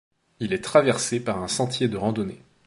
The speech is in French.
Il est traversé par un sentier de randonnée.